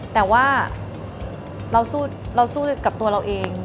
แต่ว่าเราสู้กับตัวเราเอง